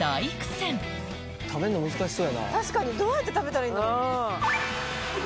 確かにどうやって食べたらいいんだろう？